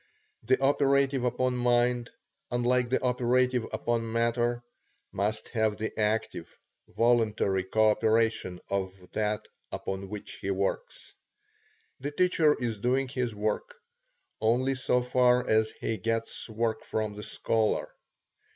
The operative upon mind, unlike the operative upon matter, must have the active, voluntary co operation of that upon which he works. The teacher is doing his work, only so far as he gets work from the scholar.